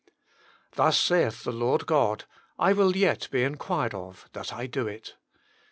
Thus saith the Lord God : I will yet be inquired of, that I do it."